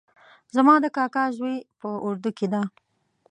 زما د کاکا زوی په اردو کې ده